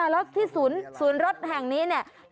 แล้วที่ศูนย์รถแห่งนี้เนี่ย